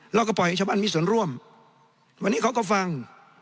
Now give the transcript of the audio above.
เราก็ปล่อยให้ชาวบ้านมีส่วนร่วมวันนี้เขาก็ฟัง